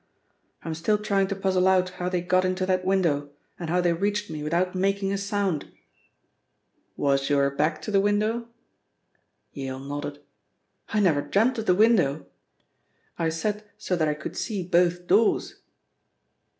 I'm still trying to puzzle out how they got into that window, and how they reached me without making a sound." "Was your back to the window?" Yale nodded. "I never dreamt of the window. I sat so that I could see both doors."